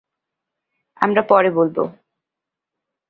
আমরা পরে বলবো।